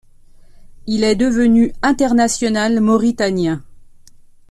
Il est devenu International mauritanien.